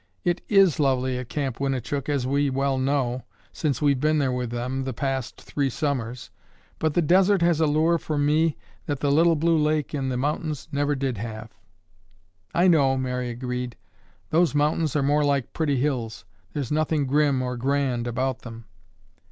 "It is lovely at Camp Winnichook as we well know, since we've been there with them the past three summers, but the desert has a lure for me that the little blue lake in the mountains never did have." "I know," Mary agreed. "Those mountains are more like pretty hills. There's nothing grim or grand about them."